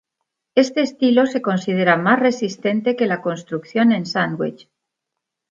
Este estilo se considera más resistente que la construcción en sándwich.